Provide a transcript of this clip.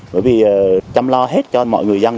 bởi vì chăm lo hết cho mọi người dân